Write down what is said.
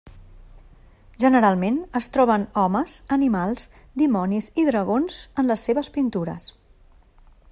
Generalment es troben homes, animals, dimonis i dragons en les seves pintures.